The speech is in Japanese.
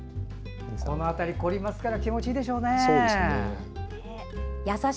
その辺り凝りますから気持ちいいでしょうね。